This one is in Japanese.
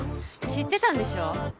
知ってたんでしょ？